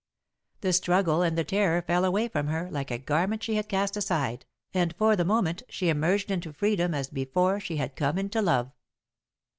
The struggle and the terror fell away from her like a garment she had cast aside, and for the moment she emerged into freedom as before she had come into love.